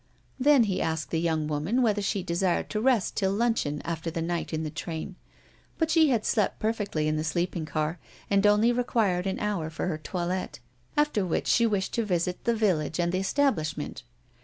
Then he asked the young woman whether she desired to rest till luncheon after the night in the train; but she had slept perfectly in the sleeping car, and only required an hour for her toilette, after which she wished to visit the village and the establishment.